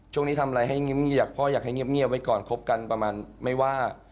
ช่วงนี้ทำอะไรให้อยากพ่ออยากให้เงียบไว้ก่อนคบกันประมาณไม่ว่า